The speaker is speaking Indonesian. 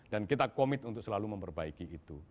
dan kita komit untuk selalu memperbaiki itu